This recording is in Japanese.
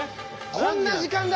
こんな時間だ。